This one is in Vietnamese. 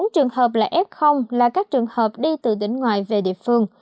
bốn trường hợp là f là các trường hợp đi từ tỉnh ngoài về địa phương